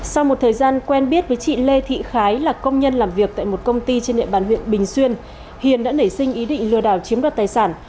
sau một thời gian quen biết với chị lê thị khái là công nhân làm việc tại một công ty trên địa bàn huyện bình xuyên hiền đã nảy sinh ý định lừa đảo chiếm đoạt tài sản